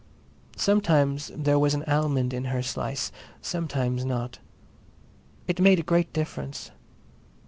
Sometimes there was an almond in her slice, sometimes not. It made a great difference.